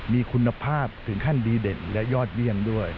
มีคุณภาพถึงขั้นดีเด่นและยอดเยี่ยมด้วย